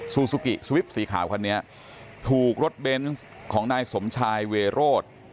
ซูซูกิสวิปสีขาวคันนี้ถูกรถเบนส์ของนายสมชายเวโรธ